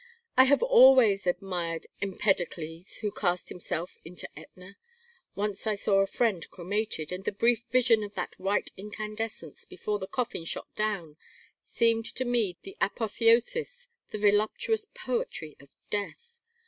I have always admired Empedocles, who cast himself into Etna. Once I saw a friend cremated, and the brief vision of that white incandescence, before the coffin shot down, seemed to me the apotheosis, the voluptuous poetry of death.